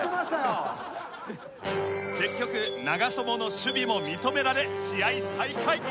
結局長友の守備も認められ試合再開。